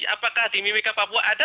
apakah di mimika papua ada